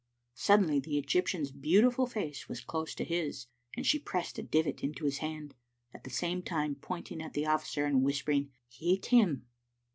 Suddenly the Egyp tian's beautiful face was close to his, and she pressed a divit into his hand, at the same time pointing at the officer, and whispering " Hit him."